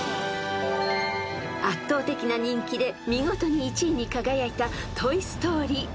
［圧倒的な人気で見事に１位に輝いた『トイ・ストーリー』］